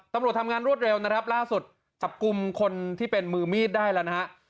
ตำรวจทำงานรวดเร็วนะครับล่าสุดจับกลุ่มคนที่เป็นมือมีดได้แล้วนะฮะ